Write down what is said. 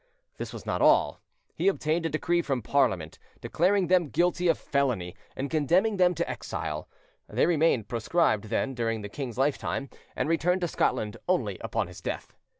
This was not all: he obtained a decree from Parliament, declaring them guilty of felony, and condemning them to exile; they remained proscribed, then, during the king's lifetime, and returned to Scotland only upon his death.